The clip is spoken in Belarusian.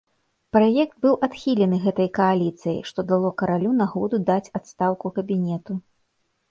Праект быў адхілены гэтай кааліцыяй, што дало каралю нагоду даць адстаўку кабінету.